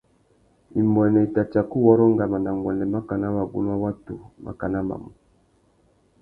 Imbuênê i tà tsaka uwôrrô ngama nà nguêndê makana wagunú wa watu makana mamú.